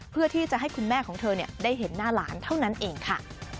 เพื่อที่จะให้คุณแม่ของเธอได้เห็นหน้าหลานเท่านั้นเองค่ะ